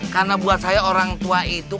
karena buat saya orang tua itu